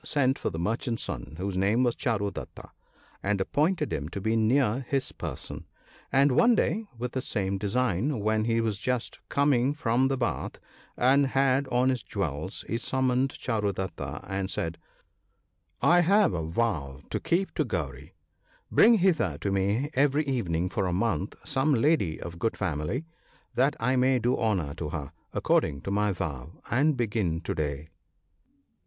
sent for the merchant's son (whose name was Charu datta), and appointed him to be near his person ; and one day, with the same design, when he was just come from the bath, and had on his jewels, he summoned Charudatta, and said, —" I have a vow to keep to Gauri (")— bring hither to me every evening for a month some lady of good family, that I may do honour to her, according to my vow ; and begin to day."